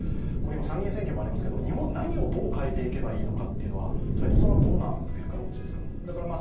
参議院選挙もありますが日本は何をどう変えていけばいいのかというのは斎藤さんはどんな見解をお持ちですか？